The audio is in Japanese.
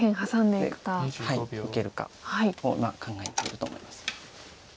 受けるかを考えていると思います。